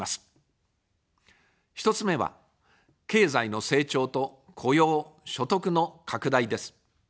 １つ目は、経済の成長と雇用・所得の拡大です。